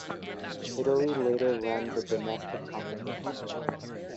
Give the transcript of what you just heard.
Italy later runs a domestic competition.